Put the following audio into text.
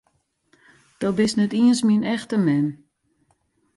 Do bist net iens myn echte mem!